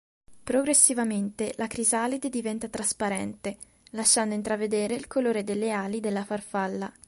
Progressivamente la crisalide diventa trasparente, lasciando intravedere il colore delle ali della farfalla.